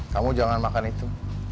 kamu jangan makan itu